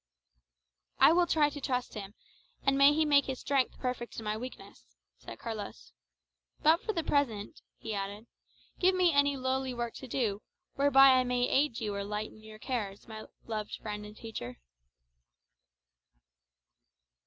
'" "I will try to trust him; and may he make his strength perfect in my weakness," said Carlos. "But for the present," he added, "give me any lowly work to do, whereby I may aid you or lighten your cares, my loved friend and teacher."